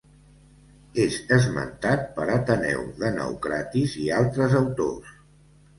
És esmentat per Ateneu de Naucratis i altres autors.